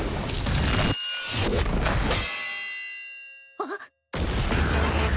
あっ！